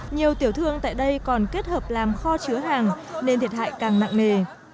nhiều tiểu thương tại đây còn kết hợp làm kho chứa hàng nên thiệt hại càng nặng nề